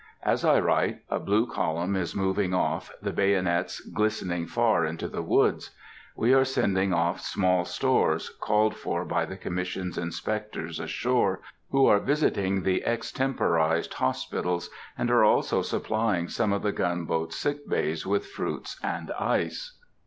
As I write, a blue column is moving off, the bayonets glistening far into the woods. We are sending off small stores, called for by the Commission's Inspectors ashore, who are visiting the extemporized hospitals, and are also supplying some of the gunboats' sick bays with fruits and ice.